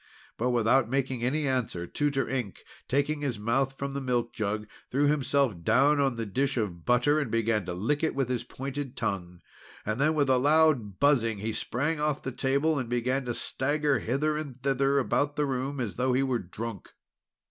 But without making any answer, Tutor Ink, taking his mouth from the milk jug, threw himself down on the dish of butter, and began to lick it with his pointed tongue. Then, with a loud buzzing, he sprang off the table and began to stagger hither and thither about the room, as though he was drunk.